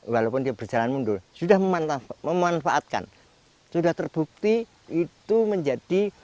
walaupun dia berjalan mundur sudah memanfaatkan sudah terbukti itu menjadi